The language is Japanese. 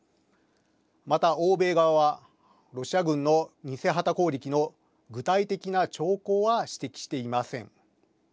また、欧米側はロシア軍の偽旗攻撃の具体的な兆候は指摘していません。